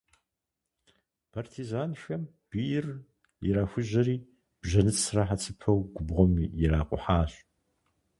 Партизанхэм бийр ирахужьэри, бжэныцрэ хьэцыпэу губгъуэм иракъухьащ.